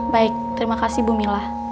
baik terima kasih bu mila